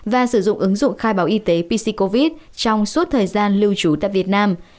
và sử dụng ứng dụng khai báo y tế pc covid trong suốt thời gian lưu trú tại việt nam